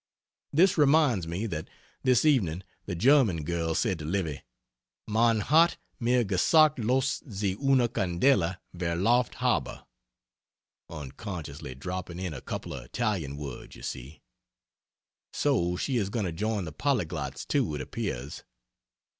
This reminds me that this evening the German girl said to Livy, "Man hat mir gesagt loss Sie una candella verlaught habe" unconsciously dropping in a couple of Italian words, you see. So she is going to join the polyglots, too, it appears.